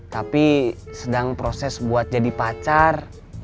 tapi sedang proses buat jadi pacar